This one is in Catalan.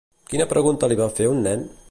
Quina pregunta li va fer un nen?